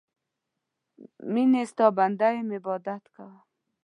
میینې ستا بنده یم عبادت کوم